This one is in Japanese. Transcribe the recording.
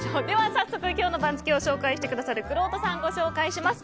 早速、今日の番付を紹介してくださるくろうとさんご紹介します。